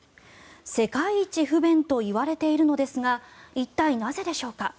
世界一不便といわれているのですが一体、なぜでしょうか。